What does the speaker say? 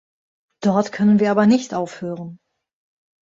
Dort können wir aber nicht aufhören.